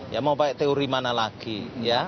ya mau pakai teori mana lagi ya